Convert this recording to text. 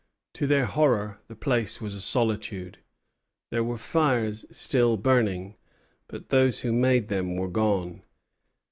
To their horror, the place was a solitude. There were fires still burning, but those who made them were gone.